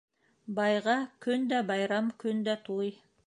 Байға көндә байрам, көндә туй